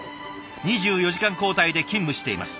２４時間交代で勤務しています。